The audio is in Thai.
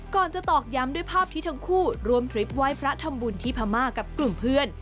จะตอกย้ำด้วยภาพที่ทั้งคู่รวมทริปไหว้พระทำบุญที่พม่ากับกลุ่มเพื่อน